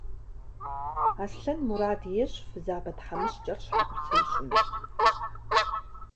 Аслъэн мурад ещӏ фызабэ тхьэмыщкӏэр щхьэгъусэ ищӏыну.